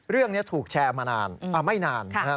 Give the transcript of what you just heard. เรื่องนี้ถูกแชร์มานานอ่าไม่นาน